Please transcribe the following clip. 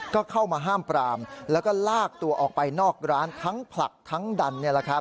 ก็เข้ามาห้ามปรามแล้วก็ลากตัวออกไปนอกร้านทั้งผลักทั้งดัน